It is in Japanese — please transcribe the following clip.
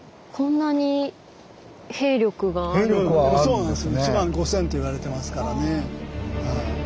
そうなんです１万５，０００といわれてますからね。